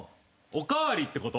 おかわりって事？